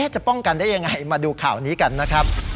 จะป้องกันได้ยังไงมาดูข่าวนี้กันนะครับ